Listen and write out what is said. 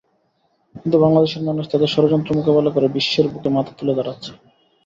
কিন্তু বাংলাদেশের মানুষ তাদের ষড়যন্ত্র মোকাবিলা করে বিশ্বের বুকে মাথা তুলে দাঁড়াচ্ছে।